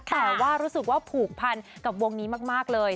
แต่ว่ารู้สึกว่าผูกพันกับวงนี้มากเลย